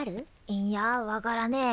いんや分からねえ。